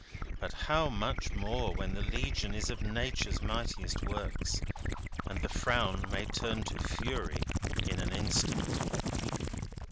But how much more, when the legion is of Nature's mightiest works, and the frown may turn to fury in an instant!